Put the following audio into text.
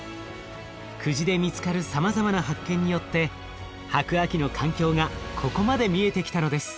久慈で見つかるさまざまな発見によって白亜紀の環境がここまで見えてきたのです。